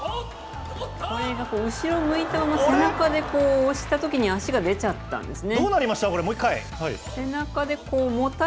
これが後ろ向いたまま、背中で押したときに、足が出ちゃったんですね。